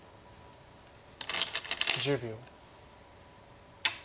１０秒。